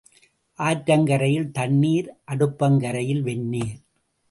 ஆற்றங்கரையில் தண்ணீர் அடுப்பங்கரையில் வெந்நீர்.